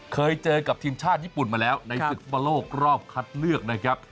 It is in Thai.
เคยเจอกับทีมชาติญี่ปุ่นมาแล้วในศึกฟุตบอลโลกรอบคัดเลือกนะครับ